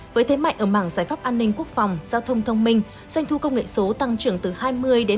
với thế mạnh ở mảng giải pháp an ninh quốc phòng giao thông thông minh doanh thu công nghệ số tăng trưởng từ hai mươi ba mươi